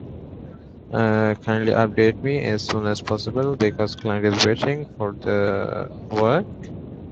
The Grassmarket was also a traditional place of public executions.